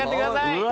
うわ！